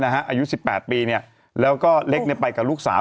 อายุ๑๘ปีแล้วก็เล็กไปกับลูกสาว